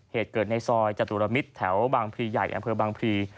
เหตุเกิดในซอยจตุรมิตรแถวบางพลีใหญ่อำเภอบางพลี